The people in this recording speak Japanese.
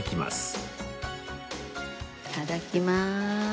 いただきます。